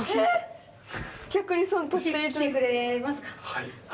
はい。